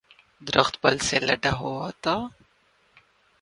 درخت پھل سے لدا ہوا تھا